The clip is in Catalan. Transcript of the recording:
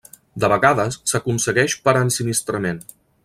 De vegades s'aconsegueix per ensinistrament.